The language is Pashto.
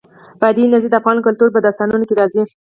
بادي انرژي د افغان کلتور په داستانونو کې راځي.